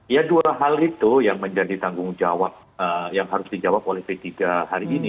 ya dua hal itu yang menjadi tanggung jawab yang harus dijawab oleh p tiga hari ini